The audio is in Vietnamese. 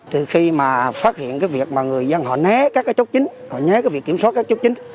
từ khi mà phát hiện cái việc mà người dân họ né các chốt chính họ né cái việc kiểm soát các chốt chính